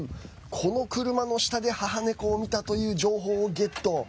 この車の下で母猫を見たという情報をゲット。